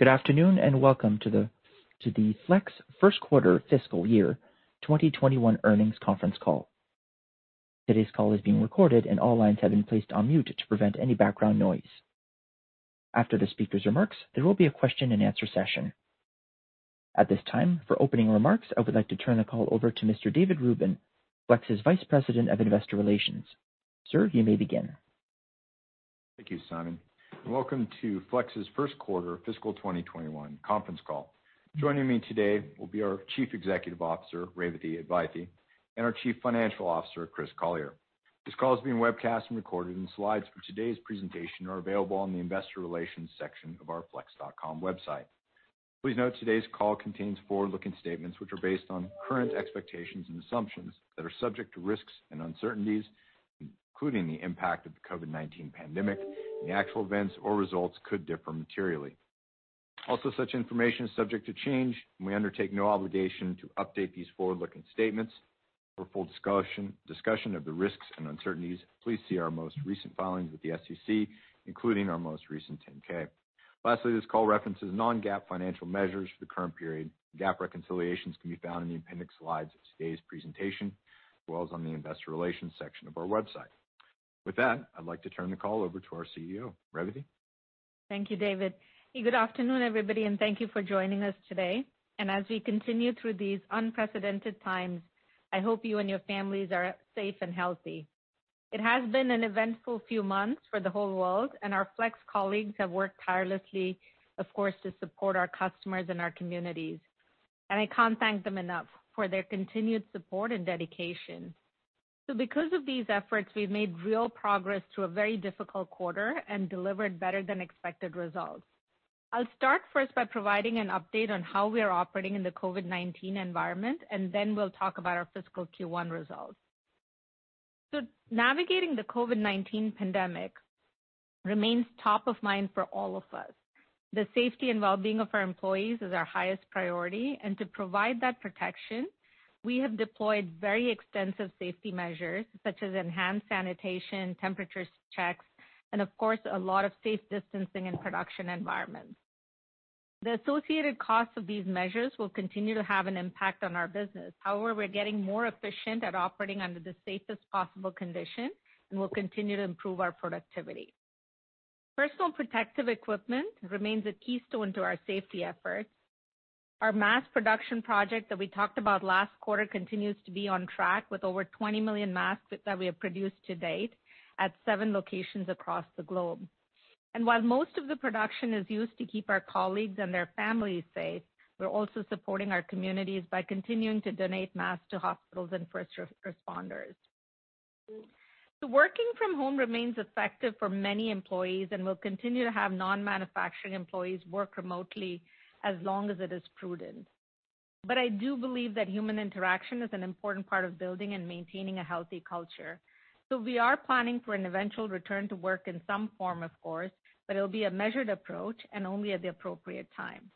Good afternoon and welcome to the Flex first quarter fiscal year 2021 earnings conference call. Today's call is being recorded and all lines have been placed on mute to prevent any background noise. After the speaker's remarks, there will be a question and answer session. At this time, for opening remarks, I would like to turn the call over to Mr. David Rubin, Flex's Vice President of Investor Relations. Sir, you may begin. Thank you, Simon. Welcome to Flex's first quarter fiscal 2021 conference call. Joining me today will be our Chief Executive Officer, Revathi Advaithi, and our Chief Financial Officer, Chris Collier. This call is being webcast and recorded, and slides for today's presentation are available on the Investor Relations section of our flex.com website. Please note today's call contains forward-looking statements which are based on current expectations and assumptions that are subject to risks and uncertainties, including the impact of the COVID-19 pandemic. The actual events or results could differ materially. Also, such information is subject to change and we undertake no obligation to update these forward-looking statements. For full discussion of the risks and uncertainties, please see our most recent filings with the SEC, including our most recent 10-K. Lastly, this call references non-GAAP financial measures for the current period. GAAP reconciliations can be found in the appendix slides of today's presentation, as well as on the Investor Relations section of our website. With that, I'd like to turn the call over to our CEO, Revathi. Thank you, David. Good afternoon, everybody, and thank you for joining us today. And as we continue through these unprecedented times, I hope you and your families are safe and healthy. It has been an eventful few months for the whole world, and our Flex colleagues have worked tirelessly, of course, to support our customers and our communities. And I can't thank them enough for their continued support and dedication. So, because of these efforts, we've made real progress through a very difficult quarter and delivered better-than-expected results. I'll start first by providing an update on how we are operating in the COVID-19 environment, and then we'll talk about our fiscal Q1 results. So, navigating the COVID-19 pandemic remains top of mind for all of us. The safety and well-being of our employees is our highest priority, and to provide that protection, we have deployed very extensive safety measures, such as enhanced sanitation, temperature checks, and, of course, a lot of safe distancing in production environments. The associated costs of these measures will continue to have an impact on our business. However, we're getting more efficient at operating under the safest possible conditions, and we'll continue to improve our productivity. Personal protective equipment remains a keystone to our safety efforts. Our mask production project that we talked about last quarter continues to be on track with over 20 million masks that we have produced to date at seven locations across the globe. And while most of the production is used to keep our colleagues and their families safe, we're also supporting our communities by continuing to donate masks to hospitals and first responders. Working from home remains effective for many employees and will continue to have non-manufacturing employees work remotely as long as it is prudent. I do believe that human interaction is an important part of building and maintaining a healthy culture. We are planning for an eventual return to work in some form, of course, but it'll be a measured approach and only at the appropriate time.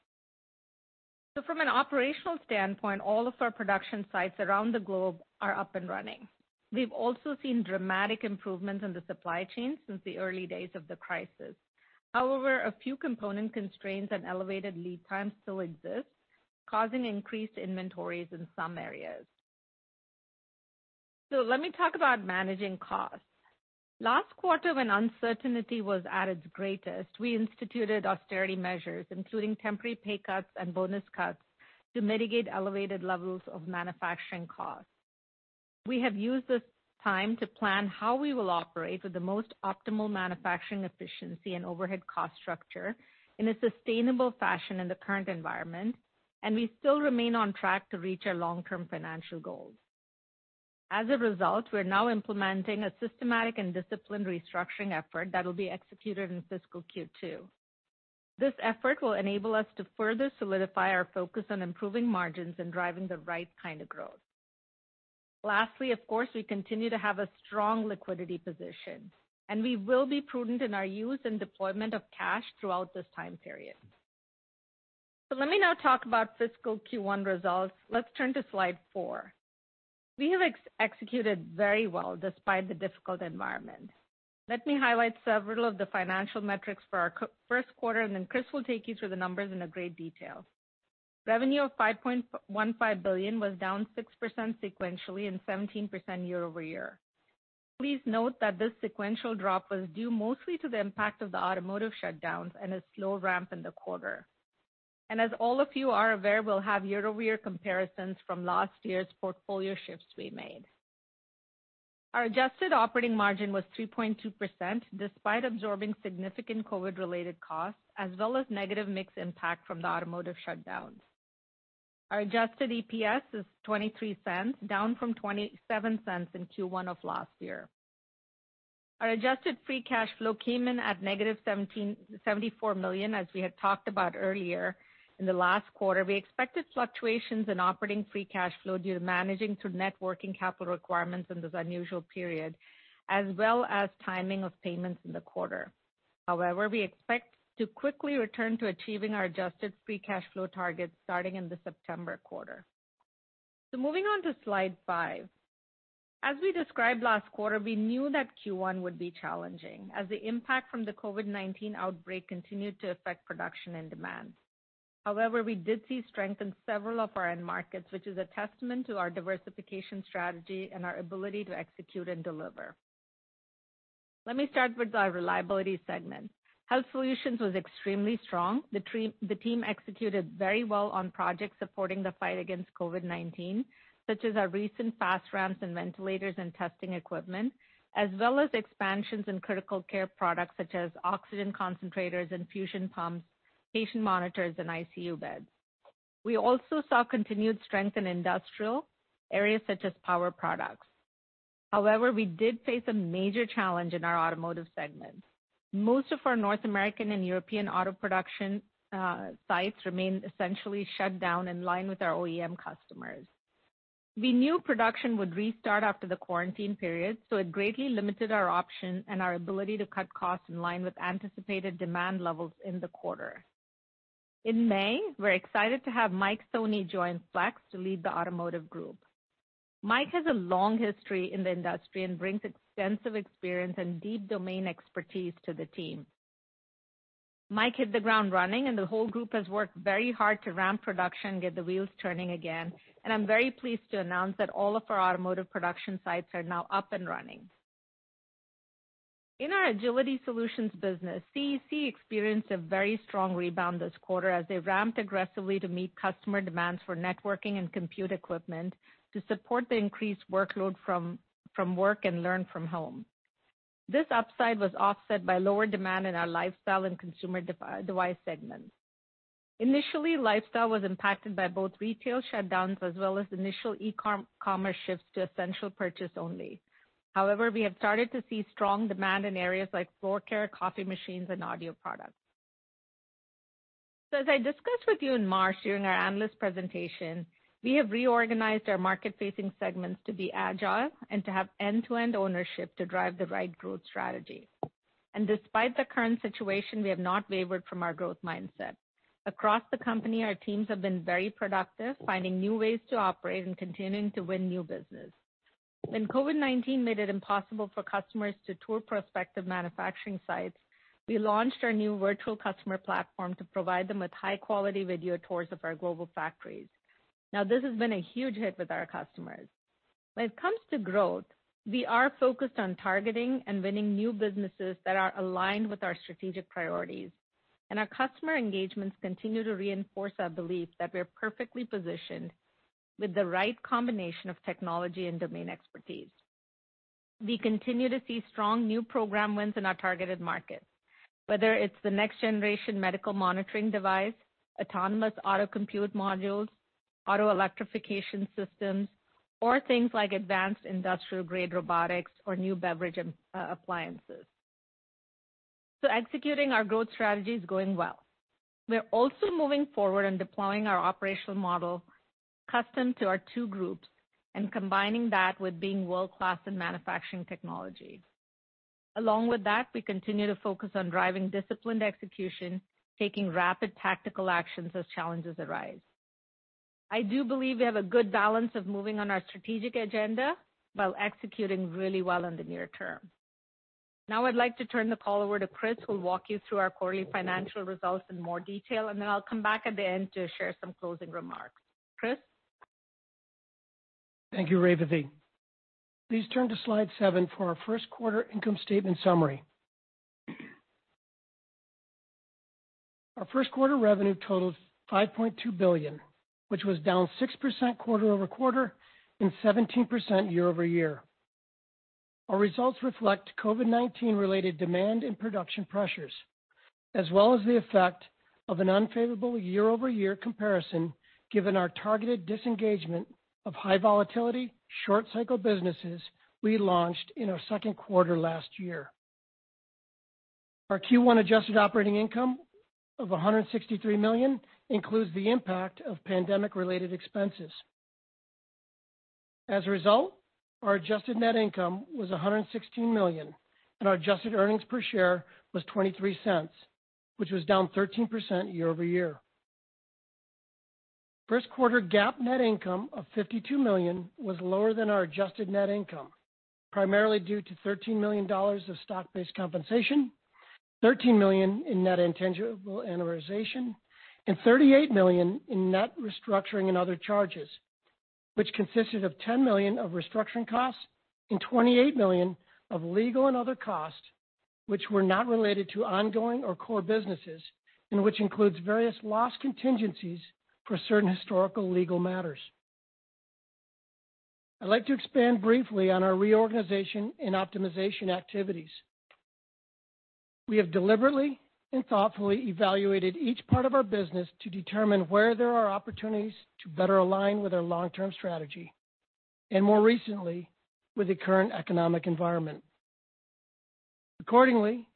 From an operational standpoint, all of our production sites around the globe are up and running. We've also seen dramatic improvements in the supply chain since the early days of the crisis. However, a few component constraints and elevated lead times still exist, causing increased inventories in some areas. Let me talk about managing costs. Last quarter, when uncertainty was at its greatest, we instituted austerity measures, including temporary pay cuts and bonus cuts, to mitigate elevated levels of manufacturing costs. We have used this time to plan how we will operate with the most optimal manufacturing efficiency and overhead cost structure in a sustainable fashion in the current environment, and we still remain on track to reach our long-term financial goals. As a result, we're now implementing a systematic and disciplined restructuring effort that will be executed in fiscal Q2. This effort will enable us to further solidify our focus on improving margins and driving the right kind of growth. Lastly, of course, we continue to have a strong liquidity position, and we will be prudent in our use and deployment of cash throughout this time period. So, let me now talk about fiscal Q1 results. Let's turn to slide four. We have executed very well despite the difficult environment. Let me highlight several of the financial metrics for our first quarter, and then Chris will take you through the numbers in great detail. Revenue of $5.15 billion was down 6% sequentially and 17% year-over-year. Please note that this sequential drop was due mostly to the impact of the Automotive shutdowns and a slow ramp in the quarter, and as all of you are aware, we'll have year-over-year comparisons from last year's portfolio shifts we made. Our adjusted operating margin was 3.2% despite absorbing significant COVID-related costs, as well as negative mix impact from the Automotive shutdowns. Our adjusted EPS is $0.23, down from $0.27 in Q1 of last year. Our adjusted free cash flow came in at -$74 million, as we had talked about earlier in the last quarter. We expected fluctuations in operating free cash flow due to managing through working capital requirements in this unusual period, as well as timing of payments in the quarter. However, we expect to quickly return to achieving our adjusted free cash flow targets starting in the September quarter, so moving on to slide five. As we described last quarter, we knew that Q1 would be challenging as the impact from the COVID-19 outbreak continued to affect production and demand. However, we did see strength in several of our end markets, which is a testament to our diversification strategy and our ability to execute and deliver. Let me start with our Reliability segment. Health Solutions was extremely strong. The team executed very well on projects supporting the fight against COVID-19, such as our recent fast ramps and ventilators and testing equipment, as well as expansions in critical care products such as oxygen concentrators and infusion pumps, patient monitors, and ICU beds. We also saw continued strength in Industrial areas such as power products. However, we did face a major challenge in our Automotive segment. Most of our North American and European auto production sites remained essentially shut down in line with our OEM customers. We knew production would restart after the quarantine period, so it greatly limited our options and our ability to cut costs in line with anticipated demand levels in the quarter. In May, we're excited to have Mike Thoeny join Flex to lead the Automotive group. Mike has a long history in the industry and brings extensive experience and deep domain expertise to the team. Mike hit the ground running, and the whole group has worked very hard to ramp production, get the wheels turning again, and I'm very pleased to announce that all of our Automotive production sites are now up and running. In our Agility Solutions business, CEC experienced a very strong rebound this quarter as they ramped aggressively to meet customer demands for networking and compute equipment to support the increased workload from work and learn from home. This upside was offset by lower demand in our Lifestyle and Consumer Devices segments. Initially, Lifestyle was impacted by both retail shutdowns as well as initial e-commerce shifts to essential purchase only. However, we have started to see strong demand in areas like floor care, coffee machines, and audio products. So, as I discussed with you in March during our analyst presentation, we have reorganized our market-facing segments to be agile and to have end-to-end ownership to drive the right growth strategy. And despite the current situation, we have not wavered from our growth mindset. Across the company, our teams have been very productive, finding new ways to operate and continuing to win new business. When COVID-19 made it impossible for customers to tour prospective manufacturing sites, we launched our new virtual customer platform to provide them with high-quality video tours of our global factories. Now, this has been a huge hit with our customers. When it comes to growth, we are focused on targeting and winning new businesses that are aligned with our strategic priorities, and our customer engagements continue to reinforce our belief that we are perfectly positioned with the right combination of technology and domain expertise. We continue to see strong new program wins in our targeted markets, whether it's the next-generation medical monitoring device, autonomous auto-compute modules, auto-electrification systems, or things like advanced Industrial-grade robotics or new beverage appliances. So, executing our growth strategy is going well. We're also moving forward and deploying our operational model custom to our two groups and combining that with being world-class in manufacturing technology. Along with that, we continue to focus on driving disciplined execution, taking rapid tactical actions as challenges arise. I do believe we have a good balance of moving on our strategic agenda while executing really well in the near term. Now, I'd like to turn the call over to Chris, who will walk you through our quarterly financial results in more detail, and then I'll come back at the end to share some closing remarks. Chris. Thank you, Revathi. Please turn to slide seven for our first quarter income statement summary. Our first quarter revenue totaled $5.2 billion, which was down 6% quarter-over-quarter and 17% year-over-year. Our results reflect COVID-19-related demand and production pressures, as well as the effect of an unfavorable year-over-year comparison given our targeted disengagement of high-volatility, short-cycle businesses we launched in our second quarter last year. Our Q1 adjusted operating income of $163 million includes the impact of pandemic-related expenses. As a result, our adjusted net income was $116 million, and our adjusted earnings per share was $0.23, which was down 13% year-over-year. First quarter GAAP net income of $52 million was lower than our adjusted net income, primarily due to $13 million of stock-based compensation, $13 million in net intangible amortization, and $38 million in net restructuring and other charges, which consisted of $10 million of restructuring costs and $28 million of legal and other costs, which were not related to ongoing or core businesses, and which includes various loss contingencies for certain historical legal matters. I'd like to expand briefly on our reorganization and optimization activities. We have deliberately and thoughtfully evaluated each part of our business to determine where there are opportunities to better align with our long-term strategy and, more recently, with the current economic environment. Accordingly,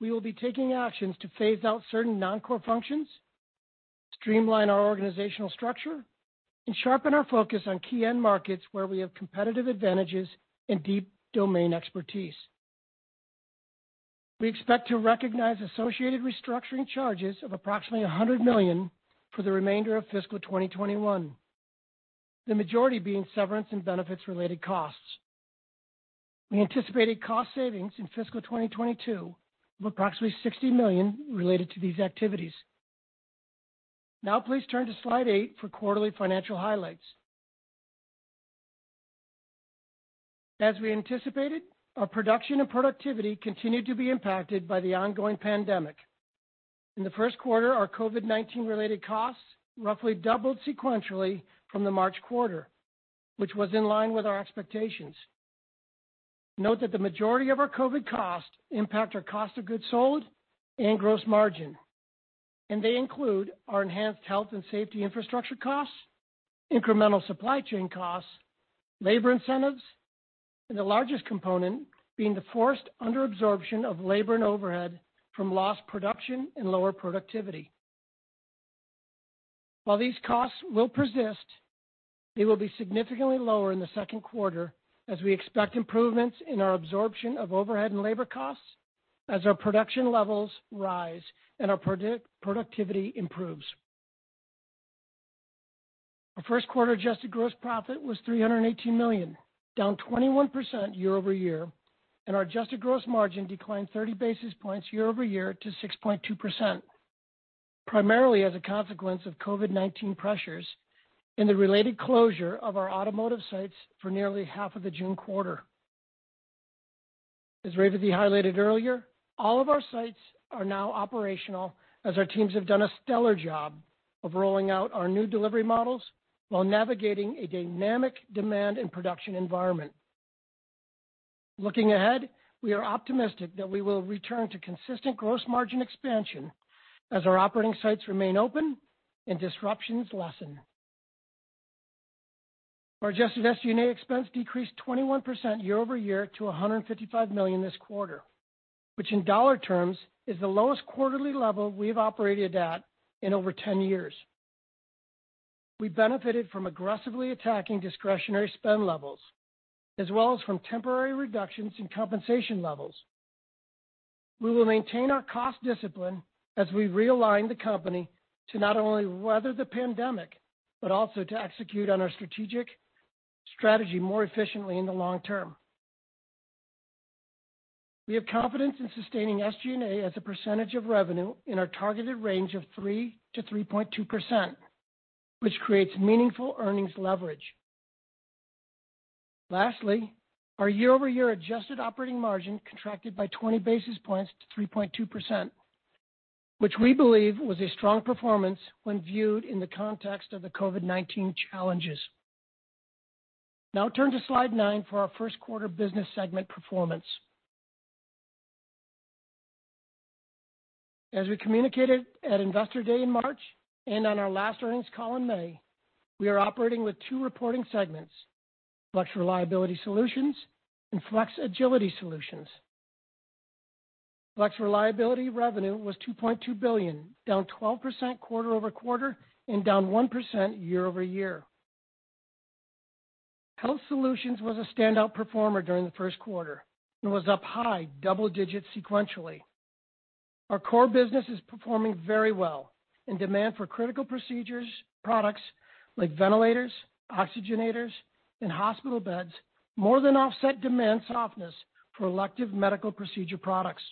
we will be taking actions to phase out certain non-core functions, streamline our organizational structure, and sharpen our focus on key end markets where we have competitive advantages and deep domain expertise. We expect to recognize associated restructuring charges of approximately $100 million for the remainder of fiscal 2021, the majority being severance and benefits-related costs. We anticipate a cost savings in fiscal 2022 of approximately $60 million related to these activities. Now, please turn to slide eight for quarterly financial highlights. As we anticipated, our production and productivity continued to be impacted by the ongoing pandemic. In the first quarter, our COVID-19-related costs roughly doubled sequentially from the March quarter, which was in line with our expectations. Note that the majority of our COVID costs impact our cost of goods sold and gross margin, and they include our enhanced health and safety infrastructure costs, incremental supply chain costs, labor incentives, and the largest component being the forced underabsorption of labor and overhead from lost production and lower productivity. While these costs will persist, they will be significantly lower in the second quarter as we expect improvements in our absorption of overhead and labor costs as our production levels rise and our productivity improves. Our first quarter adjusted gross profit was $318 million, down 21% year-over-year, and our adjusted gross margin declined 30 basis points year-over-year to 6.2%, primarily as a consequence of COVID-19 pressures and the related closure of our Automotive sites for nearly half of the June quarter. As Revathi highlighted earlier, all of our sites are now operational as our teams have done a stellar job of rolling out our new delivery models while navigating a dynamic demand and production environment. Looking ahead, we are optimistic that we will return to consistent gross margin expansion as our operating sites remain open and disruptions lessen. Our adjusted SG&A expense decreased 21% year-over-year to $155 million this quarter, which in dollar terms is the lowest quarterly level we have operated at in over 10 years. We benefited from aggressively attacking discretionary spend levels, as well as from temporary reductions in compensation levels. We will maintain our cost discipline as we realign the company to not only weather the pandemic but also to execute on our strategic strategy more efficiently in the long term. We have confidence in sustaining SG&A as a percentage of revenue in our targeted range of 3%-3.2%, which creates meaningful earnings leverage. Lastly, our year-over-year adjusted operating margin contracted by 20 basis points to 3.2%, which we believe was a strong performance when viewed in the context of the COVID-19 challenges. Now, turn to slide nine for our first quarter business segment performance. As we communicated at Investor Day in March and on our last earnings call in May, we are operating with two reporting segments: Flex Reliability Solutions and Flex Agility Solutions. Flex Reliability revenue was $2.2 billion, down 12% quarter-over-quarter and down 1% year-over-year. Health Solutions was a standout performer during the first quarter and was up high, double-digit sequentially. Our core business is performing very well, and demand for critical procedures products like ventilators, oxygenators, and hospital beds more than offset demand softness for elective medical procedure products.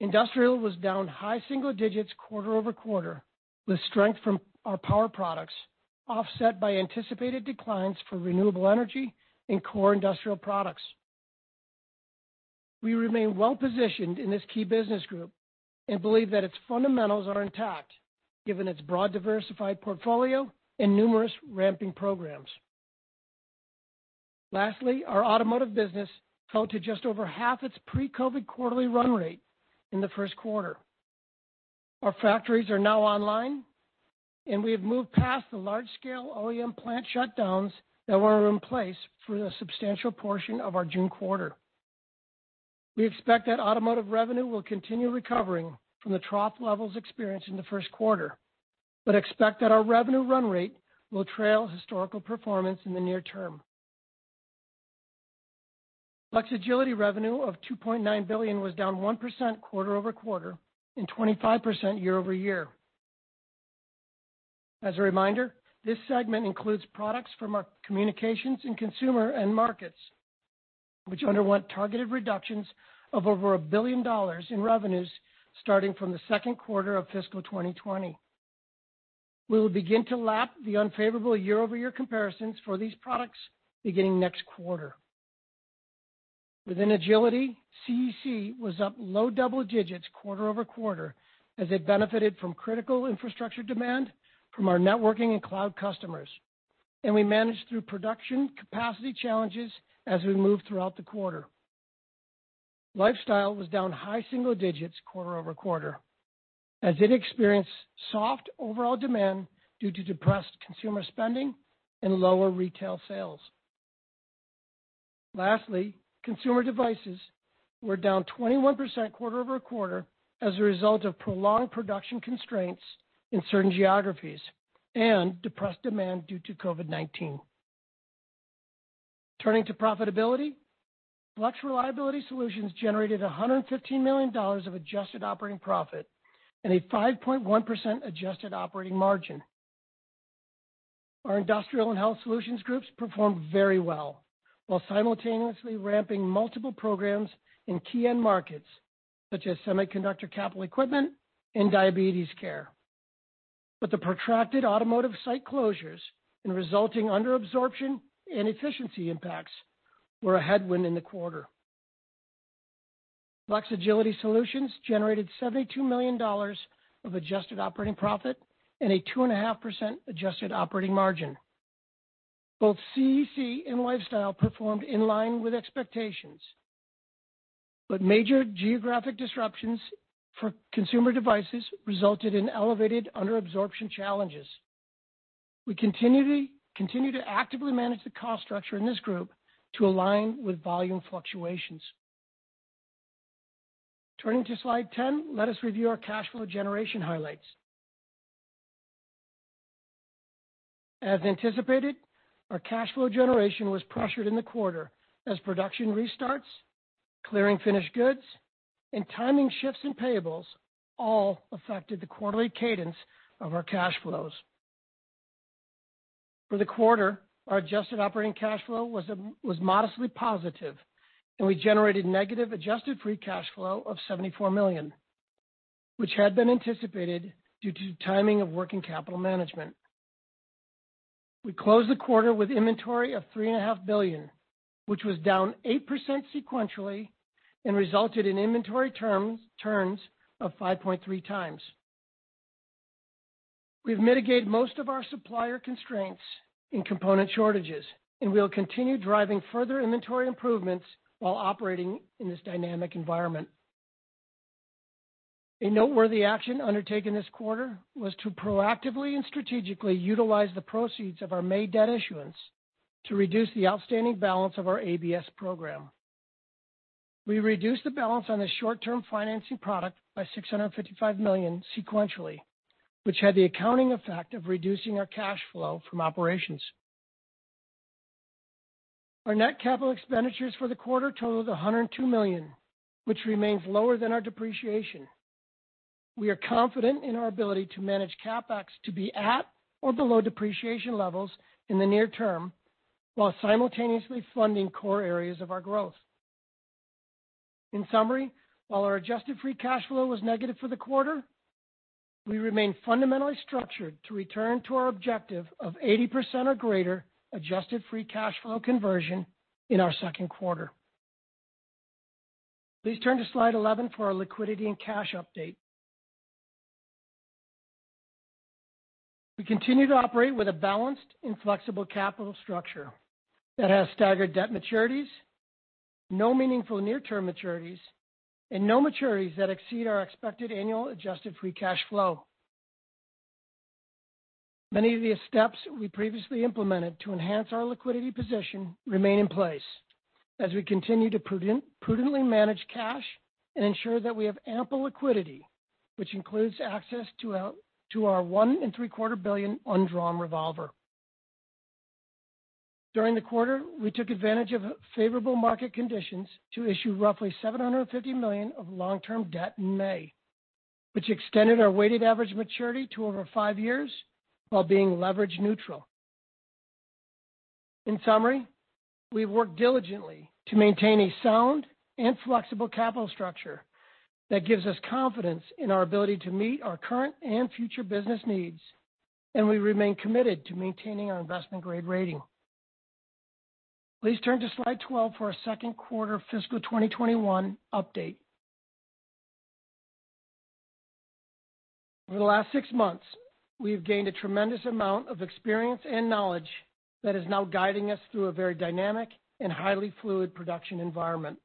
Industrial was down high single digits quarter-over-quarter, with strength from our power products offset by anticipated declines for renewable energy and core Industrial products. We remain well-positioned in this key business group and believe that its fundamentals are intact given its broad diversified portfolio and numerous ramping programs. Lastly, our Automotive business held to just over half its pre-COVID quarterly run rate in the first quarter. Our factories are now online, and we have moved past the large-scale OEM plant shutdowns that were in place for a substantial portion of our June quarter. We expect that Automotive revenue will continue recovering from the trough levels experienced in the first quarter but expect that our revenue run rate will trail historical performance in the near term. Flex Agility revenue of $2.9 billion was down 1% quarter-over-quarter and 25% year-over-year. As a reminder, this segment includes products from our communications and consumer end markets, which underwent targeted reductions of over $1 billion in revenues starting from the second quarter of fiscal 2020. We will begin to lap the unfavorable year-over-year comparisons for these products beginning next quarter. Within Agility, CEC was up low double digits quarter-over-quarter as it benefited from critical infrastructure demand from our networking and cloud customers, and we managed through production capacity challenges as we moved throughout the quarter. Lifestyle was down high single digits quarter-over-quarter as it experienced soft overall demand due to depressed consumer spending and lower retail sales. Lastly, Consumer Devices were down 21% quarter-over-quarter as a result of prolonged production constraints in certain geographies and depressed demand due to COVID-19. Turning to profitability, Flex Reliability Solutions generated $115 million of adjusted operating profit and a 5.1% adjusted operating margin. Our Industrial and Health Solutions groups performed very well while simultaneously ramping multiple programs in key end markets such as semiconductor capital equipment and diabetes care. But the protracted Automotive site closures and resulting underabsorption and efficiency impacts were a headwind in the quarter. Flex Agility Solutions generated $72 million of adjusted operating profit and a 2.5% adjusted operating margin. Both CEC and Lifestyle performed in line with expectations, but major geographic disruptions for Consumer Devices resulted in elevated underabsorption challenges. We continue to actively manage the cost structure in this group to align with volume fluctuations. Turning to slide 10, let us review our cash flow generation highlights. As anticipated, our cash flow generation was pressured in the quarter as production restarts, clearing finished goods, and timing shifts in payables all affected the quarterly cadence of our cash flows. For the quarter, our adjusted operating cash flow was modestly positive, and we generated negative adjusted free cash flow of $74 million, which had been anticipated due to timing of working capital management. We closed the quarter with inventory of $3.5 billion, which was down 8% sequentially and resulted in inventory turns of 5.3 times. We have mitigated most of our supplier constraints and component shortages, and we will continue driving further inventory improvements while operating in this dynamic environment. A noteworthy action undertaken this quarter was to proactively and strategically utilize the proceeds of our May debt issuance to reduce the outstanding balance of our ABS program. We reduced the balance on the short-term financing product by $655 million sequentially, which had the accounting effect of reducing our cash flow from operations. Our net capital expenditures for the quarter totaled $102 million, which remains lower than our depreciation. We are confident in our ability to manage CapEx to be at or below depreciation levels in the near term while simultaneously funding core areas of our growth. In summary, while our adjusted free cash flow was negative for the quarter, we remain fundamentally structured to return to our objective of 80% or greater adjusted free cash flow conversion in our second quarter. Please turn to slide 11 for our liquidity and cash update. We continue to operate with a balanced and flexible capital structure that has staggered debt maturities, no meaningful near-term maturities, and no maturities that exceed our expected annual adjusted free cash flow. Many of the steps we previously implemented to enhance our liquidity position remain in place as we continue to prudently manage cash and ensure that we have ample liquidity, which includes access to our $1.75 billion undrawn revolver. During the quarter, we took advantage of favorable market conditions to issue roughly $750 million of long-term debt in May, which extended our weighted average maturity to over five years while being leverage neutral. In summary, we have worked diligently to maintain a sound and flexible capital structure that gives us confidence in our ability to meet our current and future business needs, and we remain committed to maintaining our investment-grade rating. Please turn to slide 12 for our second quarter fiscal 2021 update. Over the last six months, we have gained a tremendous amount of experience and knowledge that is now guiding us through a very dynamic and highly fluid production environment.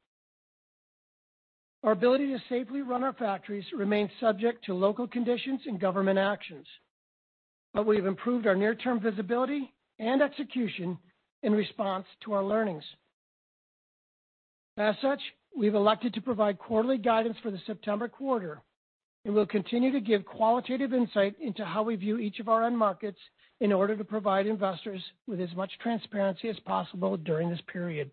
Our ability to safely run our factories remains subject to local conditions and government actions, but we have improved our near-term visibility and execution in response to our learnings. As such, we have elected to provide quarterly guidance for the September quarter, and we'll continue to give qualitative insight into how we view each of our end markets in order to provide investors with as much transparency as possible during this period.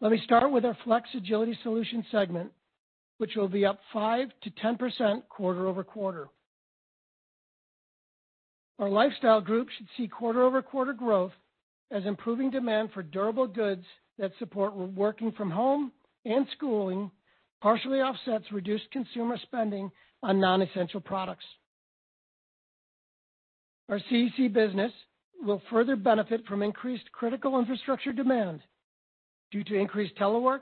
Let me start with our Flex Agility Solutions segment, which will be up 5%-10% quarter-over-quarter. Our Lifestyle group should see quarter-over-quarter growth as improving demand for durable goods that support working from home and schooling partially offsets reduced consumer spending on non-essential products. Our CEC business will further benefit from increased critical infrastructure demand due to increased telework,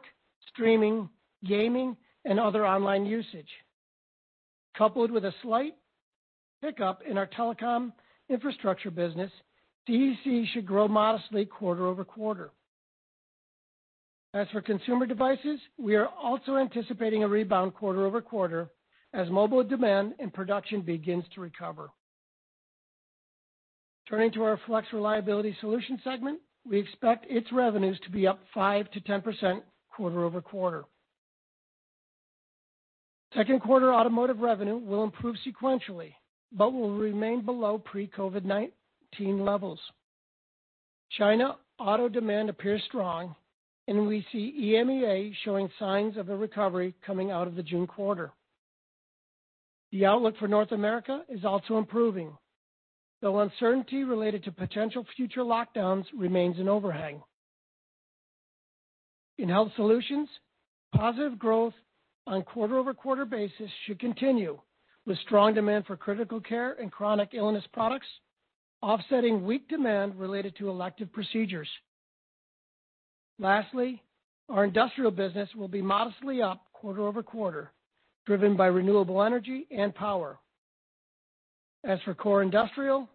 streaming, gaming, and other online usage. Coupled with a slight pickup in our telecom infrastructure business, CEC should grow modestly quarter-over-quarter. As for Consumer Devices, we are also anticipating a rebound quarter-over-quarter as mobile demand and production begins to recover. Turning to our Flex Reliability Solutions segment, we expect its revenues to be up 5%-10% quarter-over-quarter. Second quarter Automotive revenue will improve sequentially but will remain below pre-COVID-19 levels. China auto demand appears strong, and we see EMEA showing signs of a recovery coming out of the June quarter. The outlook for North America is also improving, though uncertainty related to potential future lockdowns remains an overhang. In Health Solutions, positive growth on quarter-over-quarter basis should continue with strong demand for critical care and chronic illness products offsetting weak demand related to elective procedures. Lastly, our Industrial business will be modestly up quarter-over-quarter driven by renewable energy and power. As for core Industrial,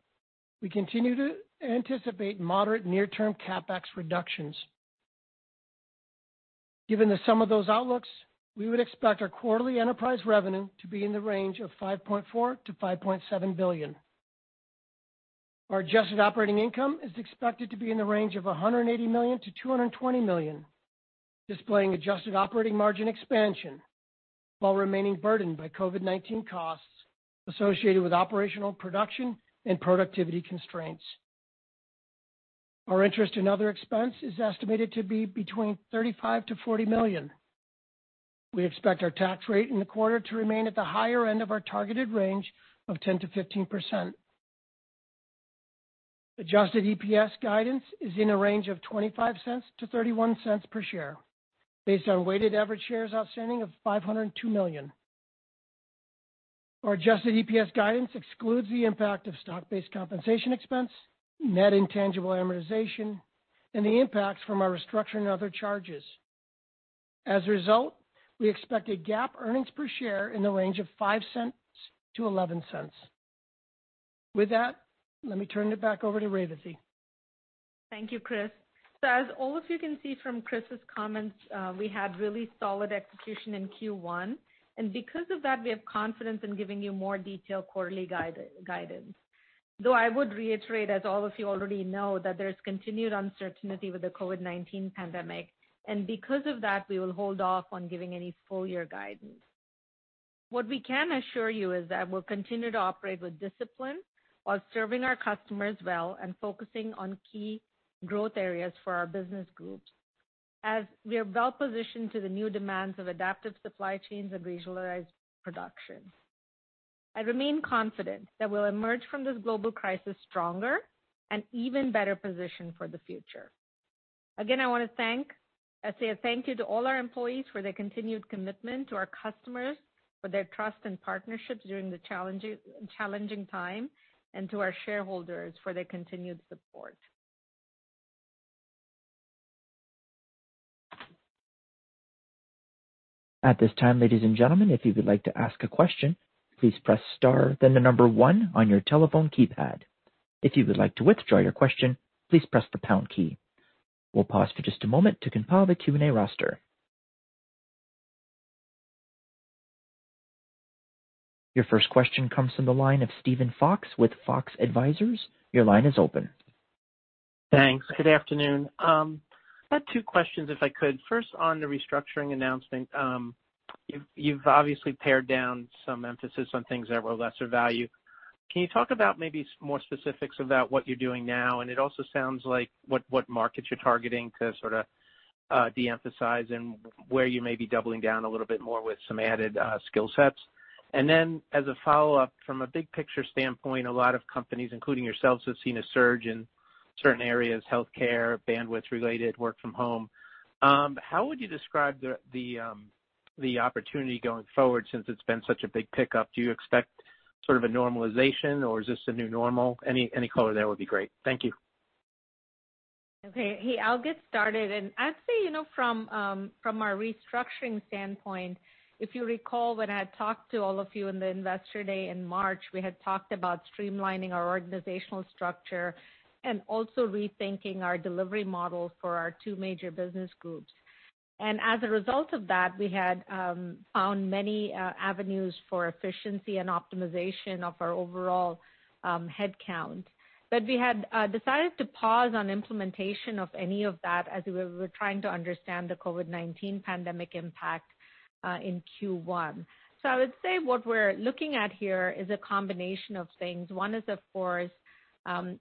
we continue to anticipate moderate near-term CapEx reductions. Given the sum of those outlooks, we would expect our quarterly enterprise revenue to be in the range of $5.4 billion-$5.7 billion. Our adjusted operating income is expected to be in the range of $180 million-$220 million, displaying adjusted operating margin expansion while remaining burdened by COVID-19 costs associated with operational production and productivity constraints. Our interest and other expense is estimated to be between $35 million-$40 million. We expect our tax rate in the quarter to remain at the higher end of our targeted range of 10%-15%. Adjusted EPS guidance is in a range of $0.25-$0.31 per share based on weighted average shares outstanding of 502 million. Our adjusted EPS guidance excludes the impact of stock-based compensation expense, net intangible amortization, and the impacts from our restructuring and other charges. As a result, we expect a GAAP earnings per share in the range of $0.05-$0.11. With that, let me turn it back over to Revathi. Thank you, Chris. So as all of you can see from Chris's comments, we had really solid execution in Q1, and because of that, we have confidence in giving you more detailed quarterly guidance. Though I would reiterate, as all of you already know, that there's continued uncertainty with the COVID-19 pandemic, and because of that, we will hold off on giving any full-year guidance. What we can assure you is that we'll continue to operate with discipline while serving our customers well and focusing on key growth areas for our business groups as we are well-positioned to the new demands of adaptive supply chains and regionalized production. I remain confident that we'll emerge from this global crisis stronger and even better positioned for the future. Again, I want to say a thank you to all our employees for their continued commitment to our customers, for their trust and partnerships during the challenging time, and to our shareholders for their continued support. At this time, ladies and gentlemen, if you would like to ask a question, please press star, then the number one on your telephone keypad. If you would like to withdraw your question, please press the pound key. We'll pause for just a moment to compile the Q&A roster. Your first question comes from the line of Steven Fox with Fox Advisors. Your line is open. Thanks. Good afternoon. I had two questions if I could. First, on the restructuring announcement, you've obviously pared down some emphasis on things that were of lesser value. Can you talk about maybe more specifics about what you're doing now? And it also sounds like what markets you're targeting to sort of de-emphasize and where you may be doubling down a little bit more with some added skill sets. And then as a follow-up, from a big-picture standpoint, a lot of companies, including yourselves, have seen a surge in certain areas: healthcare, bandwidth-related, work from home. How would you describe the opportunity going forward since it's been such a big pickup? Do you expect sort of a normalization, or is this the new normal? Any color there would be great. Thank you. Okay. Hey, I'll get started, and I'd say from our restructuring standpoint, if you recall when I had talked to all of you in the investor day in March, we had talked about streamlining our organizational structure and also rethinking our delivery model for our two major business groups, and as a result of that, we had found many avenues for efficiency and optimization of our overall headcount. But we had decided to pause on implementation of any of that as we were trying to understand the COVID-19 pandemic impact in Q1, so I would say what we're looking at here is a combination of things. One is, of course,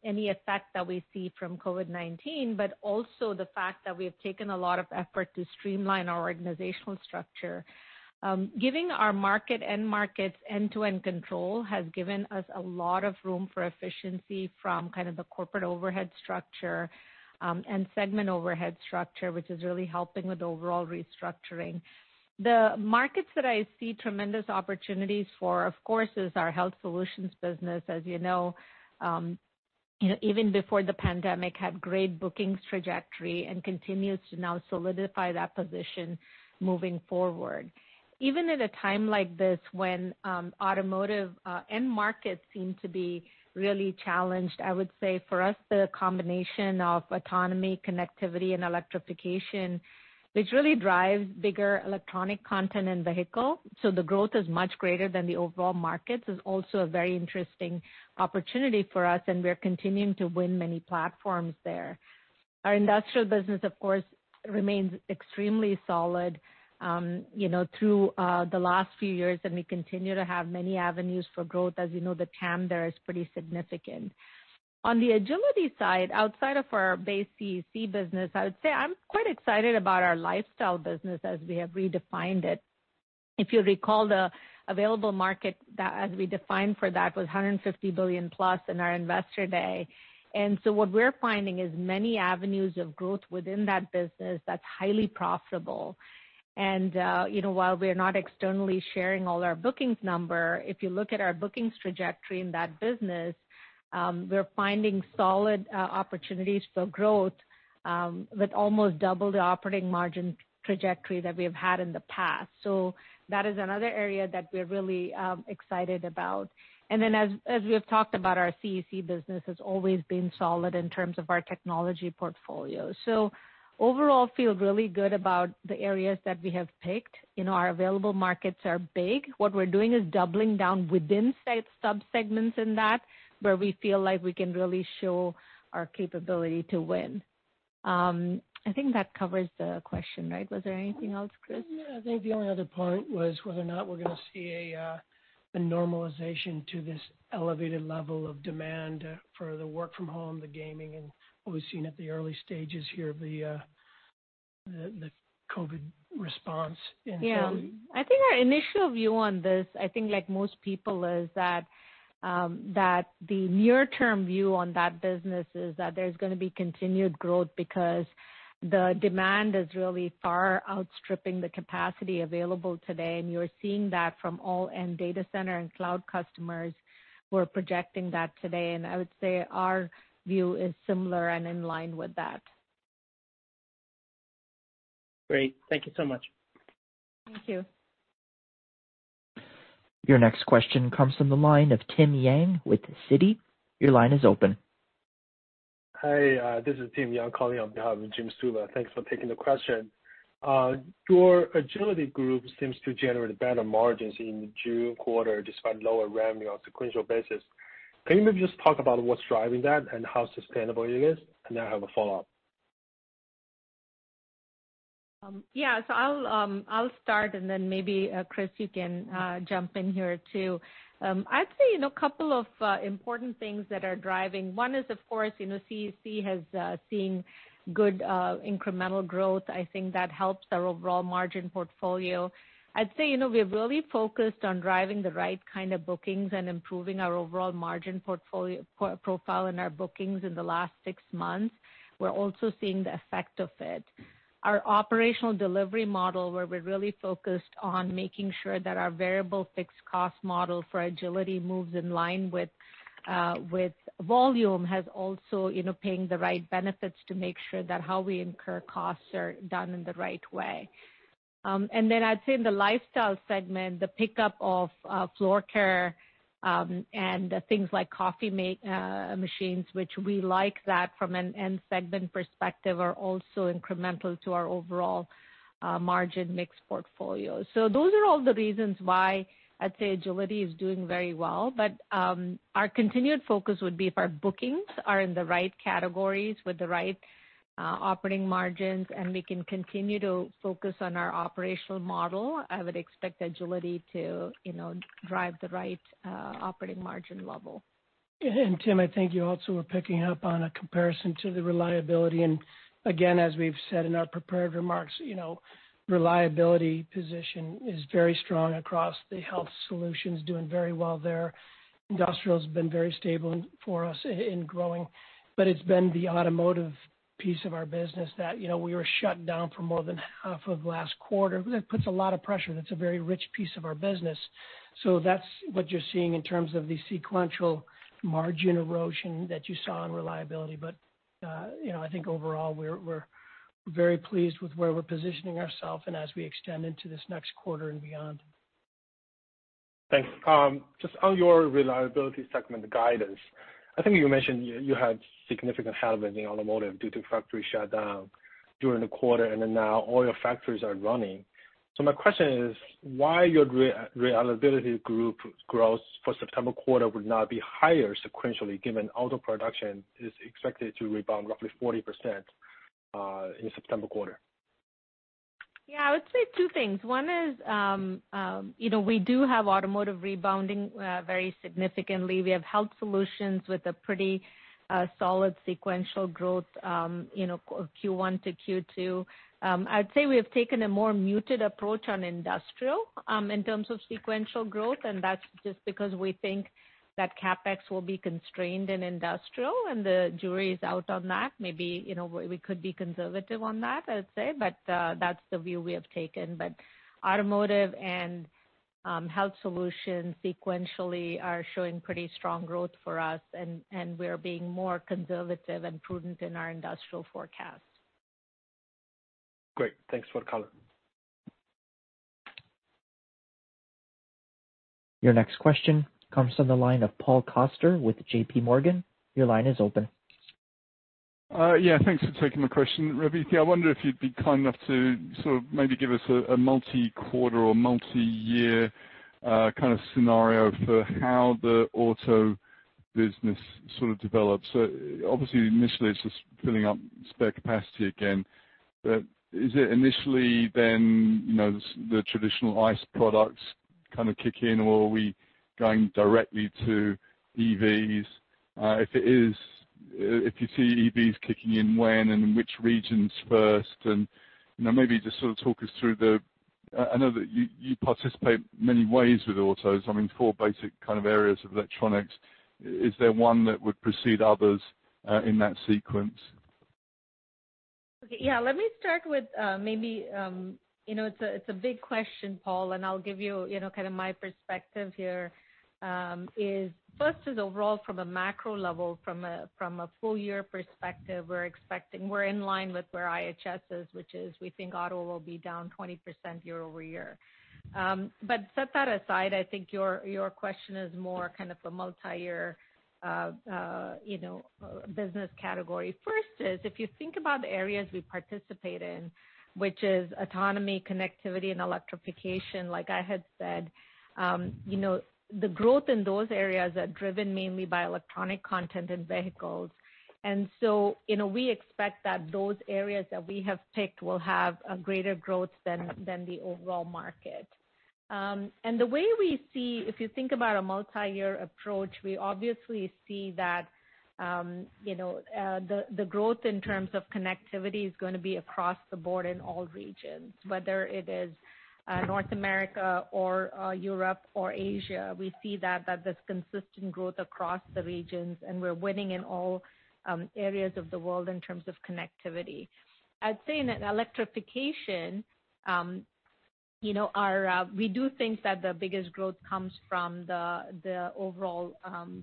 any effect that we see from COVID-19, but also the fact that we have taken a lot of effort to streamline our organizational structure. Giving our market end markets end-to-end control has given us a lot of room for efficiency from kind of the corporate overhead structure and segment overhead structure, which is really helping with overall restructuring. The markets that I see tremendous opportunities for, of course, is our Health Solutions business. As you know, even before the pandemic, it had great bookings trajectory and continues to now solidify that position moving forward. Even at a time like this when Automotive end markets seem to be really challenged, I would say for us, the combination of Autonomy, Connectivity, and Electrification, which really drives bigger electronic content and vehicle, so the growth is much greater than the overall markets, is also a very interesting opportunity for us, and we are continuing to win many platforms there. Our Industrial business, of course, remains extremely solid through the last few years, and we continue to have many avenues for growth. As you know, the TAM there is pretty significant. On the agility side, outside of our base CEC business, I would say I'm quite excited about our Lifestyle business as we have redefined it. If you recall, the available market that we defined for that was $150 billion plus in our investor day. And so what we're finding is many avenues of growth within that business that's highly profitable. And while we're not externally sharing all our bookings number, if you look at our bookings trajectory in that business, we're finding solid opportunities for growth with almost double the operating margin trajectory that we have had in the past. So that is another area that we're really excited about. And then, as we have talked about, our CEC business has always been solid in terms of our technology portfolio. So overall, I feel really good about the areas that we have picked. Our available markets are big. What we're doing is doubling down within subsegments in that where we feel like we can really show our capability to win. I think that covers the question, right? Was there anything else, Chris? Yeah. I think the only other point was whether or not we're going to see a normalization to this elevated level of demand for the work from home, the gaming, and what we've seen at the early stages here of the COVID response in town. Yeah. I think our initial view on this, I think like most people, is that the near-term view on that business is that there's going to be continued growth because the demand is really far outstripping the capacity available today. And you're seeing that from all end data center and cloud customers who are projecting that today. And I would say our view is similar and in line with that. Great. Thank you so much. Thank you. Your next question comes from the line of Tim Yang with Citi. Your line is open. Hey, this is Tim Yang calling on behalf of Jim Suva. Thanks for taking the question. Your Agility group seems to generate better margins in the June quarter despite lower revenue on a sequential basis. Can you maybe just talk about what's driving that and how sustainable it is? And then I have a follow-up. Yeah. So I'll start, and then maybe Chris, you can jump in here too. I'd say a couple of important things that are driving. One is, of course, CEC has seen good incremental growth. I think that helps our overall margin portfolio. I'd say we have really focused on driving the right kind of bookings and improving our overall margin profile and our bookings in the last six months. We're also seeing the effect of it. Our operational delivery model, where we're really focused on making sure that our variable fixed cost model for agility moves in line with volume, has also been paying the right benefits to make sure that how we incur costs are done in the right way. And then I'd say in the Lifestyle segment, the pickup of floor care and things like coffee machines, which we like that from an end segment perspective, are also incremental to our overall margin mix portfolio. So those are all the reasons why I'd say agility is doing very well. But our continued focus would be if our bookings are in the right categories with the right operating margins, and we can continue to focus on our operational model, I would expect agility to drive the right operating margin level. Tim, I think you also were picking up on a comparison to the Reliability, and again, as we've said in our prepared remarks, Reliability position is very strong across the Health Solutions, doing very well there. Industrial has been very stable for us and growing, but it's been the Automotive piece of our business that we were shut down for more than half of last quarter. That puts a lot of pressure. That's a very rich piece of our business, so that's what you're seeing in terms of the sequential margin erosion that you saw in Reliability, but I think overall, we're very pleased with where we're positioning ourselves and as we extend into this next quarter and beyond. Thanks. Just on your Reliability segment guidance, I think you mentioned you had significant headwinds in Automotive due to factory shutdown during the quarter, and then now all your factories are running. So my question is, why your Reliability group growth for September quarter would not be higher sequentially given auto production is expected to rebound roughly 40% in September quarter? Yeah. I would say two things. One is we do have Automotive rebounding very significantly. We have Health Solutions with a pretty solid sequential growth Q1 to Q2. I'd say we have taken a more muted approach on Industrial in terms of sequential growth, and that's just because we think that CapEx will be constrained in Industrial, and the jury is out on that. Maybe we could be conservative on that, I'd say, but that's the view we have taken. But Automotive and Health Solutions sequentially are showing pretty strong growth for us, and we are being more conservative and prudent in our Industrial forecast. Great. Thanks for the call. Your next question comes from the line of Paul Coster with JPMorgan. Your line is open. Yeah. Thanks for taking the question, Revathi. I wonder if you'd be kind enough to sort of maybe give us a multi-quarter or multi-year kind of scenario for how the auto business sort of develops. Obviously, initially, it's just filling up spare capacity again. But is it initially then the traditional ICE products kind of kick in, or are we going directly to EVs? If you see EVs kicking in, when and in which regions first? And maybe just sort of talk us through. I know that you participate in many ways with autos. I mean, four basic kind of areas of electronics. Is there one that would precede others in that sequence? Okay. Yeah. Let me start with maybe it's a big question, Paul, and I'll give you kind of my perspective here. First is overall from a macro level, from a full-year perspective, we're in line with where IHS is, which is we think auto will be down 20% year-over-year. But set that aside, I think your question is more kind of a multi-year business category. First is, if you think about the areas we participate in, which is autonomy, connectivity, and electrification, like I had said, the growth in those areas is driven mainly by electronic content and vehicles. And so we expect that those areas that we have picked will have greater growth than the overall market. And the way we see, if you think about a multi-year approach, we obviously see that the growth in terms of connectivity is going to be across the board in all regions, whether it is North America or Europe or Asia. We see that there's consistent growth across the regions, and we're winning in all areas of the world in terms of connectivity. I'd say in electrification, we do think that the biggest growth comes from the overall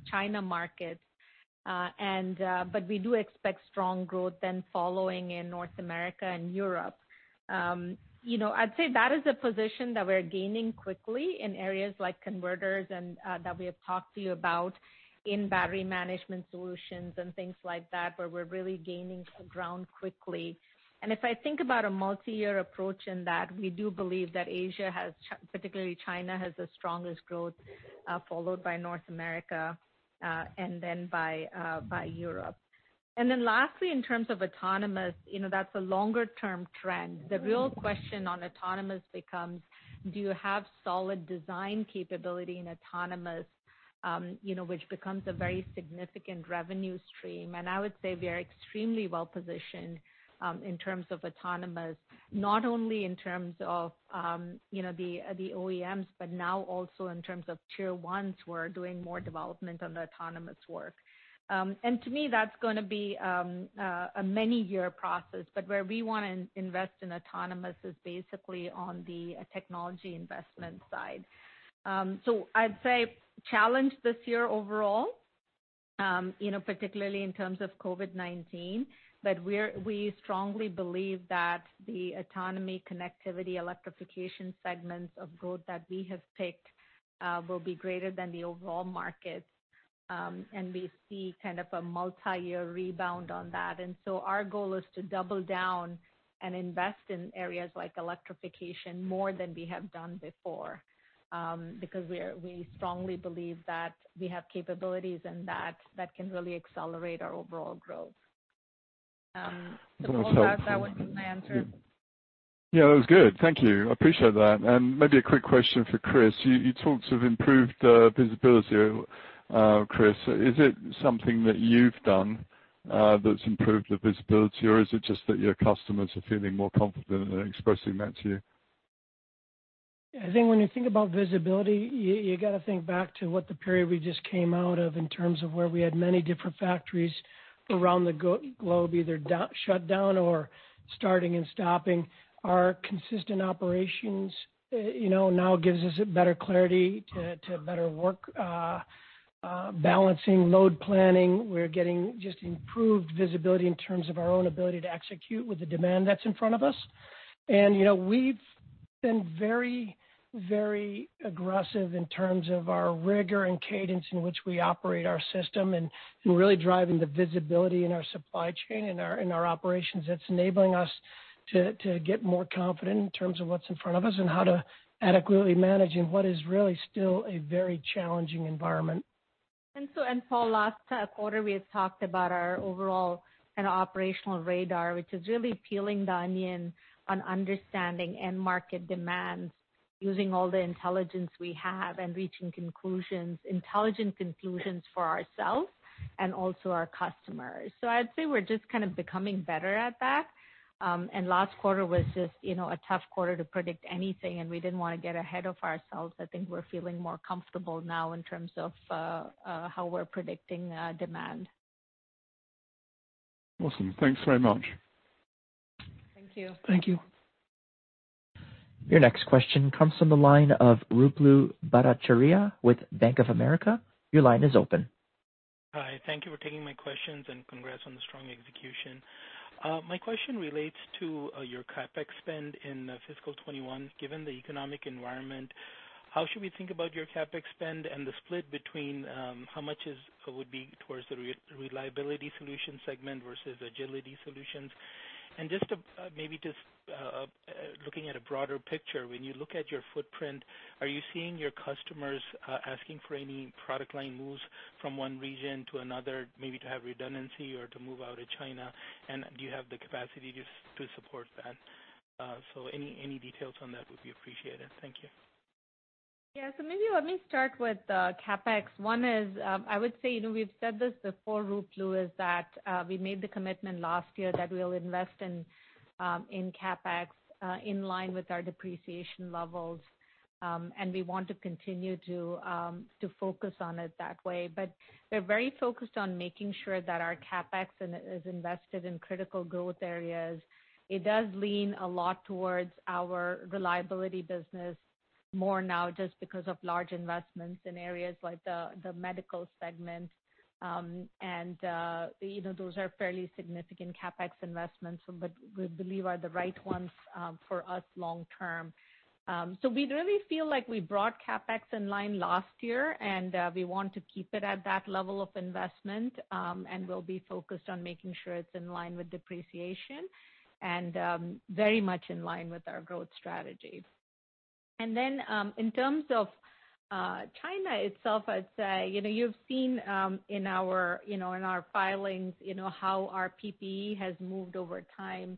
China market, but we do expect strong growth then following in North America and Europe. I'd say that is a position that we're gaining quickly in areas like converters that we have talked to you about in battery management solutions and things like that, where we're really gaining ground quickly. If I think about a multi-year approach in that, we do believe that Asia, particularly China, has the strongest growth, followed by North America and then by Europe. Then lastly, in terms of autonomous, that is a longer-term trend. The real question on autonomous becomes, do you have solid design capability in autonomous, which becomes a very significant revenue stream? I would say we are extremely well-positioned in terms of autonomous, not only in terms of the OEMs, but now also in terms of Tier 1s who are doing more development on the autonomous work. To me, that is going to be a many-year process, but where we want to invest in autonomous is basically on the technology investment side. So, I'd say challenge this year overall, particularly in terms of COVID-19, but we strongly believe that the autonomy, connectivity, electrification segments of growth that we have picked will be greater than the overall markets, and we see kind of a multi-year rebound on that. And so our goal is to double down and invest in areas like electrification more than we have done before because we strongly believe that we have capabilities and that can really accelerate our overall growth. So, I hope that would be my answer. Yeah. That was good. Thank you. I appreciate that. And maybe a quick question for Chris. You talked of improved visibility, Chris. Is it something that you've done that's improved the visibility, or is it just that your customers are feeling more confident in expressing that to you? I think when you think about visibility, you got to think back to what the period we just came out of in terms of where we had many different factories around the globe, either shut down or starting and stopping. Our consistent operations now gives us better clarity to better work, balancing load planning. We're getting just improved visibility in terms of our own ability to execute with the demand that's in front of us. And we've been very, very aggressive in terms of our rigor and cadence in which we operate our system and really driving the visibility in our supply chain and our operations. It's enabling us to get more confident in terms of what's in front of us and how to adequately manage and what is really still a very challenging environment. And Paul, last quarter, we have talked about our overall kind of operational radar, which is really peeling the onion on understanding end market demands using all the intelligence we have and reaching intelligent conclusions for ourselves and also our customers. So I'd say we're just kind of becoming better at that. And last quarter was just a tough quarter to predict anything, and we didn't want to get ahead of ourselves. I think we're feeling more comfortable now in terms of how we're predicting demand. Awesome. Thanks very much. Thank you. Thank you. Your next question comes from the line of Ruplu Bhattacharya with Bank of America. Your line is open. Hi. Thank you for taking my questions and congrats on the strong execution. My question relates to your CapEx spend in fiscal 2021. Given the economic environment, how should we think about your CapEx spend and the split between how much would be towards the Reliability Solutions segment versus Agility Solutions? And just maybe looking at a broader picture, when you look at your footprint, are you seeing your customers asking for any product line moves from one region to another, maybe to have redundancy or to move out of China? And do you have the capacity to support that? So any details on that would be appreciated. Thank you. Yeah. So maybe let me start with CapEx. One is, I would say we've said this before, Ruplu, is that we made the commitment last year that we'll invest in CapEx in line with our depreciation levels, and we want to continue to focus on it that way. We're very focused on making sure that our CapEx is invested in critical growth areas. It does lean a lot towards our Reliability business more now just because of large investments in areas like the medical segment. Those are fairly significant CapEx investments that we believe are the right ones for us long-term. We really feel like we brought CapEx in line last year, and we want to keep it at that level of investment. We'll be focused on making sure it's in line with depreciation and very much in line with our growth strategy. And then in terms of China itself, I'd say you've seen in our filings how our PPE has moved over time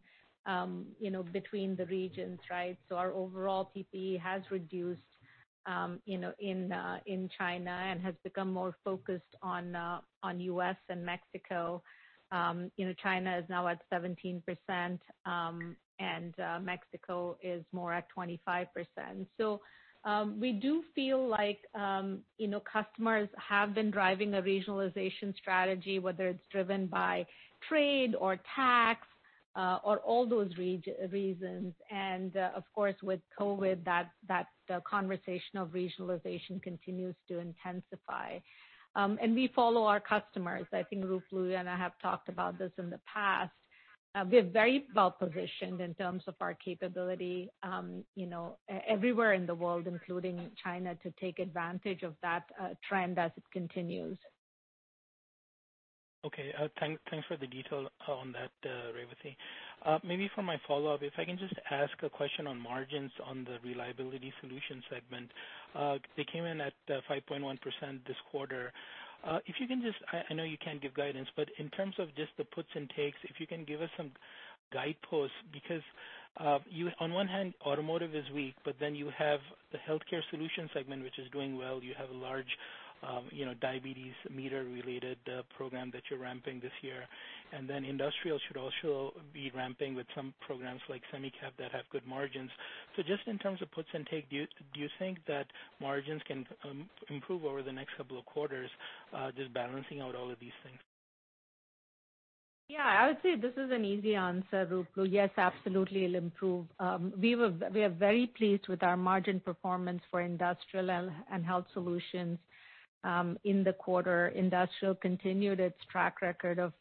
between the regions, right? So our overall PPE has reduced in China and has become more focused on U.S. and Mexico. China is now at 17%, and Mexico is more at 25%. So we do feel like customers have been driving a regionalization strategy, whether it's driven by trade or tax or all those reasons. And of course, with COVID, that conversation of regionalization continues to intensify. And we follow our customers. I think Ruplu and I have talked about this in the past. We are very well-positioned in terms of our capability everywhere in the world, including China, to take advantage of that trend as it continues. Okay. Thanks for the detail on that, Revathi. Maybe for my follow-up, if I can just ask a question on margins on the Reliability solution segment. They came in at 5.1% this quarter. If you can just. I know you can't give guidance, but in terms of just the puts and takes, if you can give us some guideposts because on one hand, Automotive is weak, but then you have the healthcare solution segment, which is doing well. You have a large diabetes meter-related program that you're ramping this year. And then Industrial should also be ramping with some programs like Semi-Cap that have good margins. So just in terms of puts and takes, do you think that margins can improve over the next couple of quarters, just balancing out all of these things? Yeah. I would say this is an easy answer, Ruplu. Yes, absolutely, it'll improve. We are very pleased with our margin performance for Industrial and Health Solutions in the quarter. Industrial continued its track record of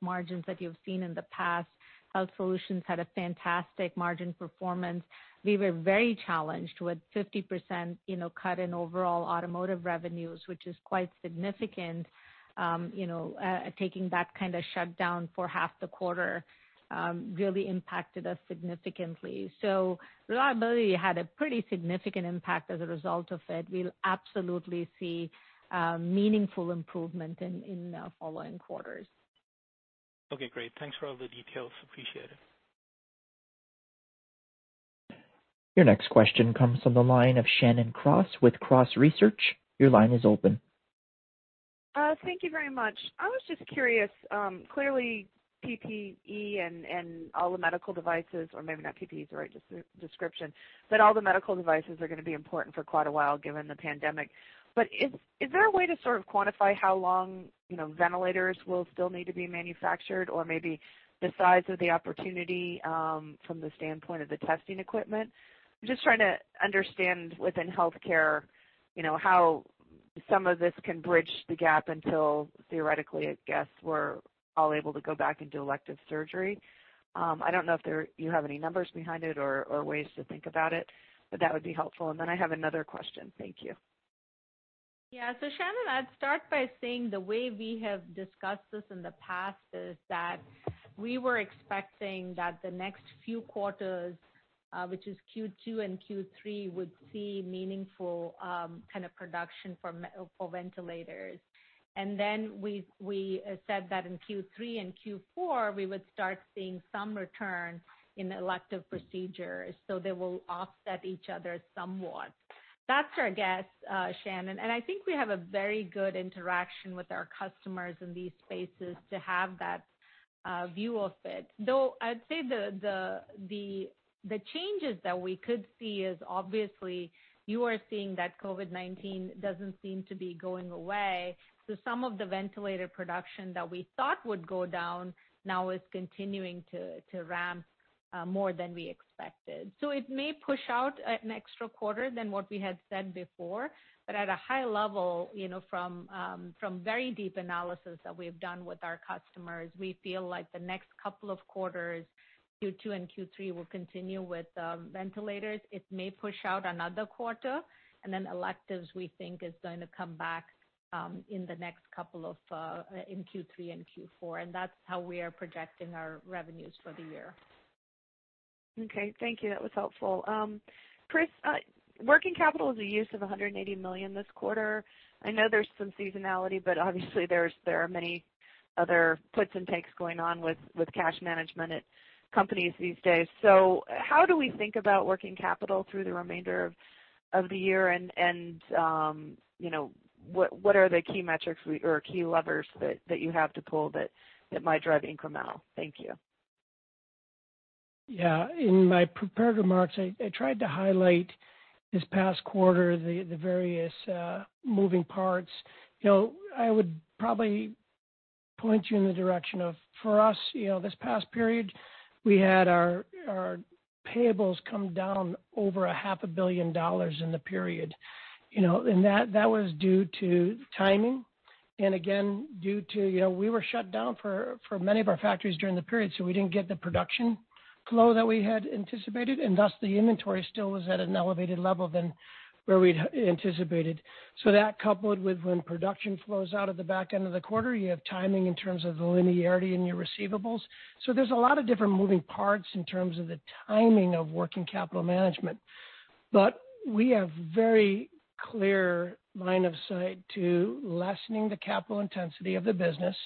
margins that you've seen in the past. Health Solutions had a fantastic margin performance. We were very challenged with 50% cut in overall Automotive revenues, which is quite significant. Taking that kind of shutdown for half the quarter really impacted us significantly. So Reliability had a pretty significant impact as a result of it. We'll absolutely see meaningful improvement in the following quarters. Okay. Great. Thanks for all the details. Appreciate it. Your next question comes from the line of Shannon Cross with Cross Research. Your line is open. Thank you very much. I was just curious. Clearly, PPE and all the medical devices (or maybe not PPE is the right description) but all the medical devices are going to be important for quite a while given the pandemic. But is there a way to sort of quantify how long ventilators will still need to be manufactured or maybe the size of the opportunity from the standpoint of the testing equipment? I'm just trying to understand within healthcare how some of this can bridge the gap until theoretically, I guess, we're all able to go back and do elective surgery. I don't know if you have any numbers behind it or ways to think about it, but that would be helpful. And then I have another question. Thank you. Yeah. So Shannon, I'd start by saying the way we have discussed this in the past is that we were expecting that the next few quarters, which is Q2 and Q3, would see meaningful kind of production for ventilators. And then we said that in Q3 and Q4, we would start seeing some return in elective procedures. So they will offset each other somewhat. That's our guess, Shannon. And I think we have a very good interaction with our customers in these spaces to have that view of it. Though I'd say the changes that we could see is obviously you are seeing that COVID-19 doesn't seem to be going away. So some of the ventilator production that we thought would go down now is continuing to ramp more than we expected. So it may push out an extra quarter than what we had said before. At a high level, from very deep analysis that we've done with our customers, we feel like the next couple of quarters, Q2 and Q3, will continue with ventilators. It may push out another quarter. Electives, we think, is going to come back in the next couple in Q3 and Q4. That's how we are projecting our revenues for the year. Okay. Thank you. That was helpful. Chris, working capital is a use of $180 million this quarter. I know there's some seasonality, but obviously, there are many other puts and takes going on with cash management at companies these days. So how do we think about working capital through the remainder of the year? And what are the key metrics or key levers that you have to pull that might drive incremental? Thank you. Yeah. In my prepared remarks, I tried to highlight this past quarter, the various moving parts. I would probably point you in the direction of, for us, this past period, we had our payables come down over $500 million in the period. And that was due to timing and, again, due to we were shut down for many of our factories during the period, so we didn't get the production flow that we had anticipated. And thus, the inventory still was at an elevated level than where we'd anticipated. So that coupled with when production flows out at the back end of the quarter, you have timing in terms of the linearity in your receivables. So there's a lot of different moving parts in terms of the timing of working capital management. But we have a very clear line of sight to lessening the capital intensity of the business.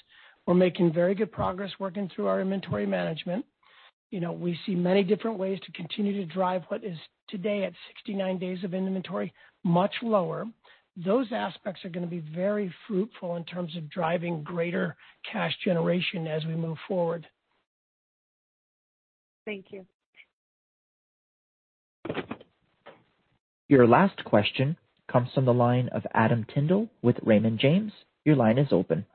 We're making very good progress working through our inventory management. We see many different ways to continue to drive what is today at 69 days of inventory much lower. Those aspects are going to be very fruitful in terms of driving greater cash generation as we move forward. Thank you. Your last question comes from the line of Adam Tindle with Raymond James. Your line is open.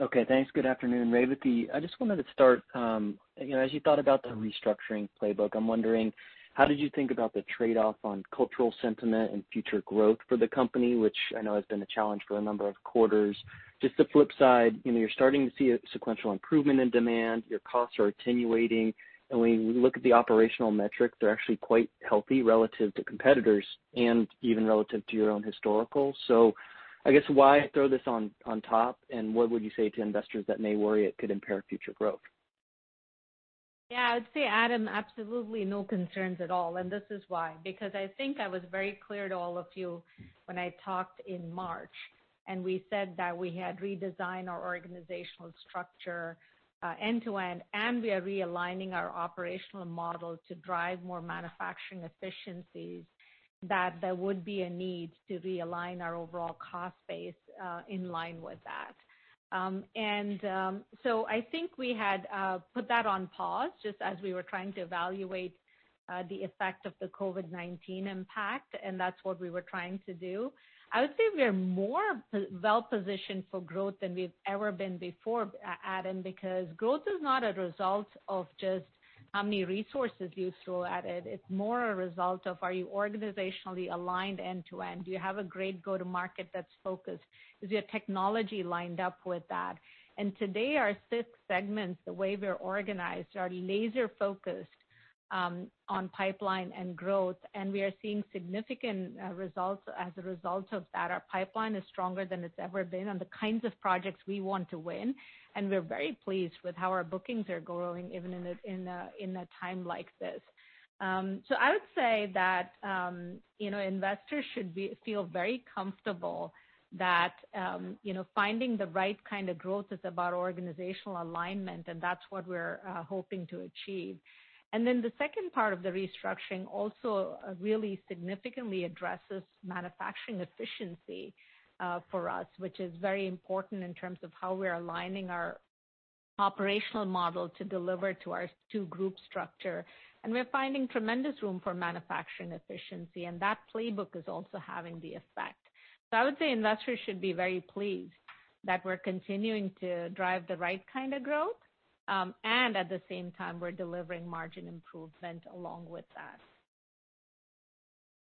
Okay. Thanks. Good afternoon, Revathi. I just wanted to start. As you thought about the restructuring playbook, I'm wondering, how did you think about the trade-off on cultural sentiment and future growth for the company, which I know has been a challenge for a number of quarters? Just the flip side, you're starting to see a sequential improvement in demand. Your costs are attenuating. And when you look at the operational metrics, they're actually quite healthy relative to competitors and even relative to your own historical. So I guess why throw this on top? And what would you say to investors that may worry it could impair future growth? Yeah. I would say, Adam, absolutely no concerns at all. And this is why. Because I think I was very clear to all of you when I talked in March, and we said that we had redesigned our organizational structure end to end, and we are realigning our operational model to drive more manufacturing efficiencies, that there would be a need to realign our overall cost base in line with that. And so I think we had put that on pause just as we were trying to evaluate the effect of the COVID-19 impact, and that's what we were trying to do. I would say we are more well-positioned for growth than we've ever been before, Adam, because growth is not a result of just how many resources you throw at it. It's more a result of, are you organizationally aligned end to end? Do you have a great go-to-market that's focused? Is your technology lined up with that? And today, our six segments, the way we're organized, are laser-focused on pipeline and growth. And we are seeing significant results as a result of that. Our pipeline is stronger than it's ever been on the kinds of projects we want to win. And we're very pleased with how our bookings are growing even in a time like this. So I would say that investors should feel very comfortable that finding the right kind of growth is about organizational alignment, and that's what we're hoping to achieve. And then the second part of the restructuring also really significantly addresses manufacturing efficiency for us, which is very important in terms of how we're aligning our operational model to deliver to our two-group structure. We're finding tremendous room for manufacturing efficiency, and that playbook is also having the effect. I would say investors should be very pleased that we're continuing to drive the right kind of growth, and at the same time, we're delivering margin improvement along with that.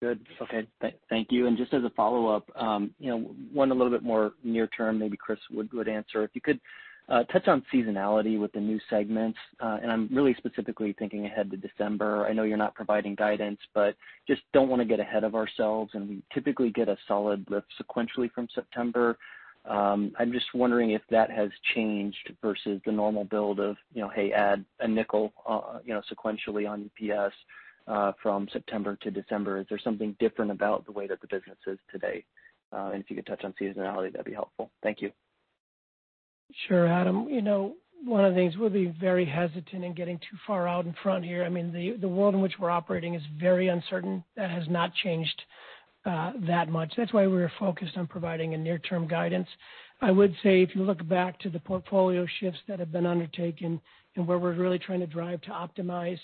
Good. Okay. Thank you. And just as a follow-up, one a little bit more near-term, maybe Chris would answer. If you could touch on seasonality with the new segments, and I'm really specifically thinking ahead to December. I know you're not providing guidance, but just don't want to get ahead of ourselves. And we typically get a solid lift sequentially from September. I'm just wondering if that has changed versus the normal build of, "Hey, add a nickel sequentially on EPS from September to December." Is there something different about the way that the business is today? And if you could touch on seasonality, that'd be helpful. Thank you. Sure, Adam. One of the things we'll be very hesitant in getting too far out in front here. I mean, the world in which we're operating is very uncertain. That has not changed that much. That's why we were focused on providing a near-term guidance. I would say if you look back to the portfolio shifts that have been undertaken and where we're really trying to drive to optimize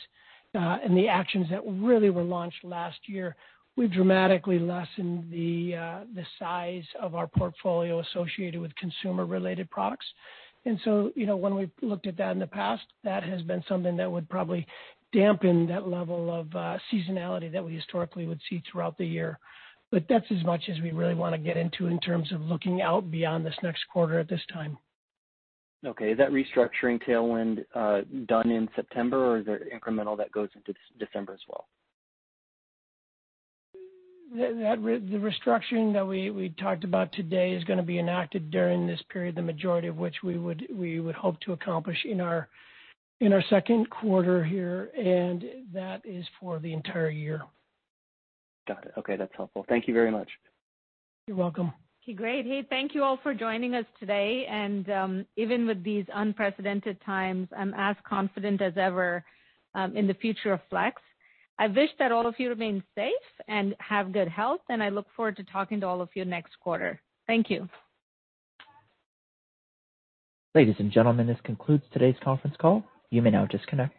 and the actions that really were launched last year, we've dramatically lessened the size of our portfolio associated with consumer-related products. And so when we've looked at that in the past, that has been something that would probably dampen that level of seasonality that we historically would see throughout the year, but that's as much as we really want to get into in terms of looking out beyond this next quarter at this time. Okay. Is that restructuring tailwind done in September, or is there incremental that goes into December as well? The restructuring that we talked about today is going to be enacted during this period, the majority of which we would hope to accomplish in our second quarter here, and that is for the entire year. Got it. Okay. That's helpful. Thank you very much. You're welcome. Okay. Great. Hey, thank you all for joining us today, and even with these unprecedented times, I'm as confident as ever in the future of Flex. I wish that all of you remain safe and have good health, and I look forward to talking to all of you next quarter. Thank you. Ladies and gentlemen, this concludes today's conference call. You may now disconnect.